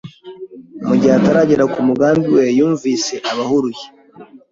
Mu gihe ataragera ku mugambi we yumvise abahuruye